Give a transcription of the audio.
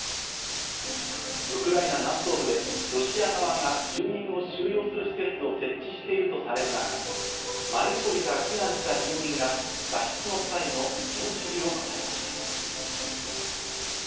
ウクライナ南東部でロシア側が住民を収容する施設を設置しているとされる中、マリウポリから避難した住民が脱出の際の一部始終を語りました。